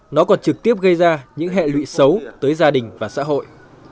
nó còn trực tiếp gây ra những hệ lụy xấu tới gia đình và xã hội